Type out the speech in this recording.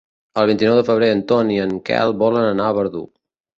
El vint-i-nou de febrer en Ton i en Quel volen anar a Verdú.